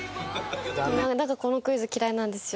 だからこのクイズ嫌いなんですよ